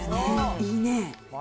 いいね。